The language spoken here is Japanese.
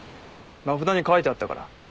名札に書いてあったから。